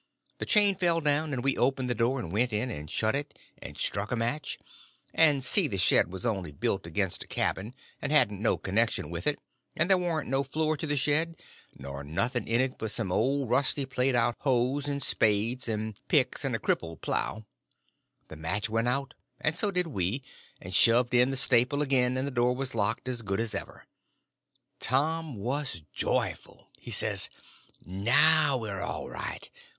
The chain fell down, and we opened the door and went in, and shut it, and struck a match, and see the shed was only built against a cabin and hadn't no connection with it; and there warn't no floor to the shed, nor nothing in it but some old rusty played out hoes and spades and picks and a crippled plow. The match went out, and so did we, and shoved in the staple again, and the door was locked as good as ever. Tom was joyful. He says; "Now we're all right.